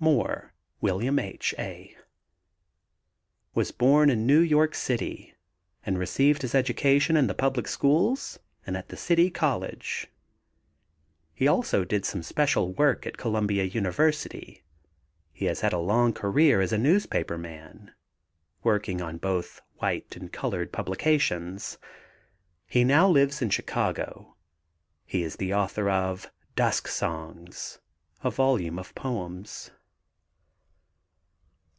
MOORE; WILLIAM H. A. Was born in New York City and received his education in the public schools and at the City College. He also did some special work at Columbia University. He has had a long career as a newspaper man, working on both white and colored publications. He now lives in Chicago. He is the author of Dusk Songs, a volume of poems.